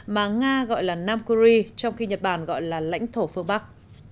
mà nga gọi là nam kuri trong khi nhật bản gọi là lãnh thổ phương bắc